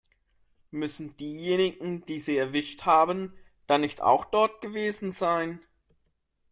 Müssen diejenigen, die sie erwischt haben, dann nicht auch dort gewesen sein?